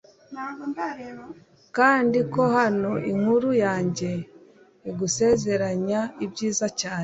kandi ko hano inkuru yanjye igusezeranya ibyiza cyane